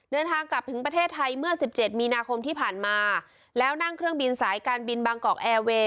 เดินทางกลับถึงประเทศไทยเมื่อสิบเจ็ดมีนาคมที่ผ่านมาแล้วนั่งเครื่องบินสายการบินบางกอกแอร์เวย์